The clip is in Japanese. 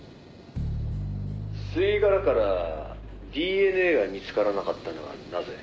「吸い殻からＤＮＡが見つからなかったのはなぜ？」